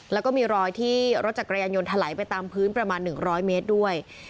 แล้วก็มีรอยที่รถจักรยานยนต์ถลายไปตามพื้นประมาณ๑๐๐เมตรด้วย